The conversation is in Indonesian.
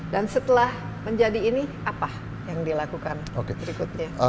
dan setelah menjadi ini apa yang dilakukan berikutnya